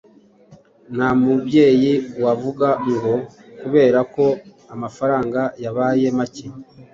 Nta mubyeyi wavuga ngo kubera ko amafaranga yabaye make